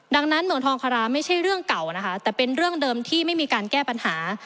ดังนั้นเมืองทองคาราไม่ใช่เรื่องเก่านะคะแต่เป็นเรื่องเดิมที่ไม่มีการแก้ปัญหา